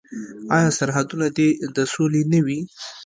آیا سرحدونه دې د سولې نه وي؟